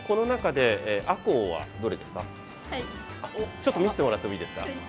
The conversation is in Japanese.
ちょっと見してもらってもいいですか？